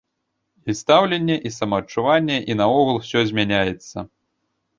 І стаўленне, і самаадчуванне, і наогул усё змяняецца.